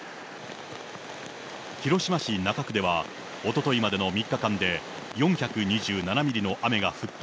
広島市中区では、おとといまでの３日間で４２７ミリの雨が降った。